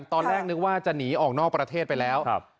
ตอนแรกนึกว่าจะหนีออกนอกประเทศไปแล้ว